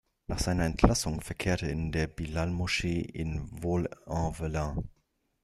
Nach seiner Entlassung verkehrte er in der Bilal-Moschee in Vaulx-en-Velin.